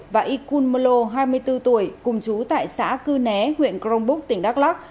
và y khun mô lô hai mươi bốn tuổi cùng chú tại xã cư né huyện cronbuk tỉnh đắk lắc